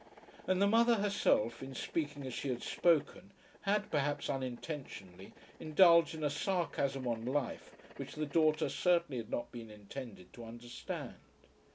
And the mother herself, in speaking as she had spoken, had, perhaps unintentionally, indulged in a sarcasm on life which the daughter certainly had not been intended to understand.